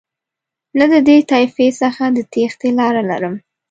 نه د دې طایفې څخه د تېښتې لاره لرم.